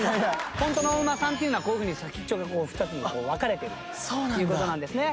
ホントのおウマさんっていうのはこういうふうに先っちょが２つに分かれてるっていう事なんですね。